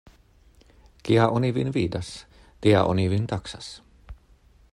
Kia oni vin vidas, tia oni vin taksas.